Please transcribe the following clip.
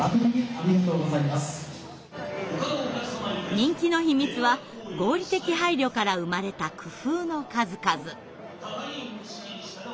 人気の秘密は合理的配慮から生まれた工夫の数々。